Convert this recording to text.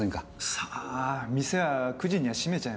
さあ店は９時には閉めちゃいますから。